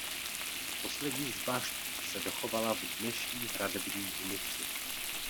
Poslední z bašt se dochovala v dnešní Hradební ulici.